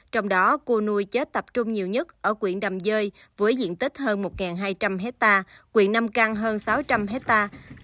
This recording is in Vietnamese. trong đó cua nuôi chết tập trung nhiều nhất ở quyện đầm dơi với diện tích hơn một hai trăm linh hectare quyện nam căng hơn sáu trăm linh hectare